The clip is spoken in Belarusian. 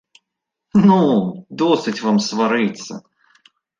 Ну, досыць вам сварыцца!